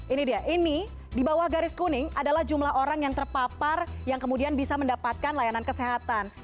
ini dia ini di bawah garis kuning adalah jumlah orang yang terpapar yang kemudian bisa mendapatkan layanan kesehatan